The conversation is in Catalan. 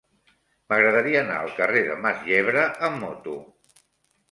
M'agradaria anar al carrer de Mas Yebra amb moto.